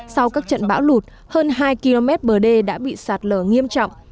sau các trận bão lụt hơn hai km bờ đê đã bị sạt lở nghiêm trọng